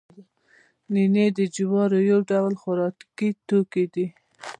نینې د جوارو یو ډول خوراکي توکی دی